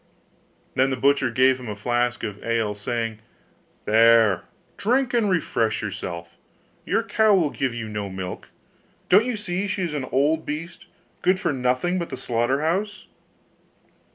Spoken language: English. Then the butcher gave him a flask of ale, saying, 'There, drink and refresh yourself; your cow will give you no milk: don't you see she is an old beast, good for nothing but the slaughter house?